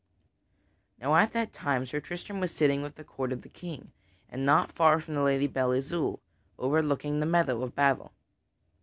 Now at that time Sir Tristram was sitting with the court of the King, and not far from the Lady Belle Isoult, overlooking the meadow of battle.